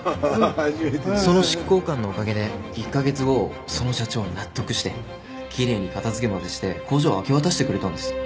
その執行官のおかげで１カ月後その社長は納得してきれいに片付けまでして工場を明け渡してくれたんです。